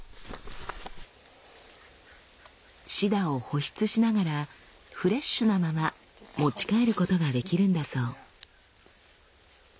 シダを保湿しながらフレッシュなまま持ち帰ることができるんだそう。